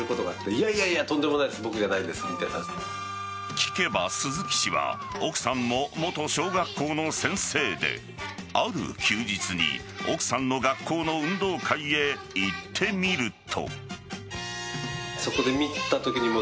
聞けば、鈴木氏は奥さんも元小学校の先生である休日に、奥さんの学校の運動会へ行ってみると。